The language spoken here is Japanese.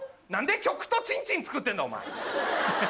何で曲とチンチン作ってんだお前！